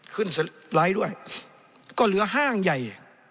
สไลด์ด้วยก็เหลือห้างใหญ่